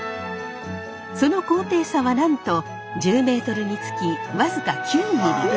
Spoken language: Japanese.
その高低差はなんと１０ｍにつきわずか９ｍｍ。